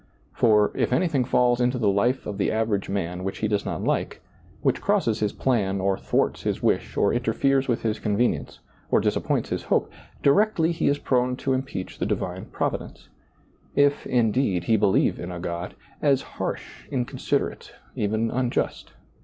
For, if any thing fells into the life of the average man which he does not like, which crosses his plan or thwarts his wish or interferes with his convenience, or dis appoints his hope, directly he is prone to impeach the divine Providence — if, indeed, he believe in a God — as harsh, inconsiderate, even unjust.